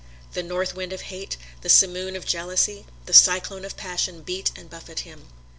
The North Wind of hate, the Simoon of Jealousy, the Cyclone of Passion beat and buffet him.